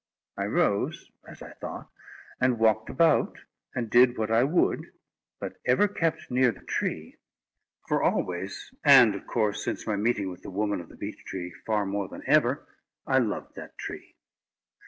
I rose, as I thought, and walked about, and did what I would, but ever kept near the tree; for always, and, of course, since my meeting with the woman of the beech tree far more than ever, I loved that tree.